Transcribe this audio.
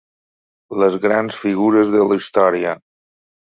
Les grans figures de la història.